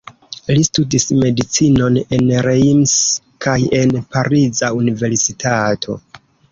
Li studis medicinon en Reims kaj en pariza universitato.